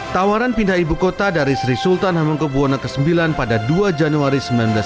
tawaran pindah ibu kota dari sri sultan hamengkubwono ix pada dua januari seribu sembilan ratus enam puluh